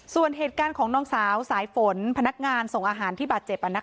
ส่วนเหตุการณ์ของนางสาวสายฝนพนักงานส่งอาหารที่บาดเจ็บ